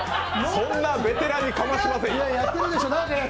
そんなんベテランにかましませんよ。